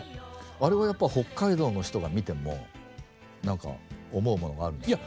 あれはやっぱ北海道の人が見てもなんか思うものがあるんですか？